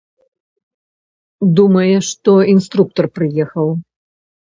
Думае, што інструктар прыехаў.